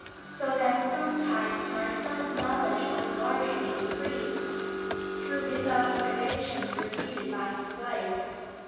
So that sometimes my self knowledge was largely increased, through his observations repeated by his wife.